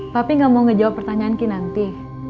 papi nggak mau ngejawab pertanyaan ki nanti